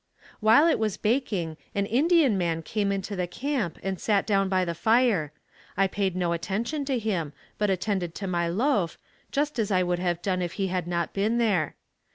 While it was baking an Indian man came into the camp and sat down by the fire. I paid no attention to him but attended to my loaf, just as I would have done if he had not been there.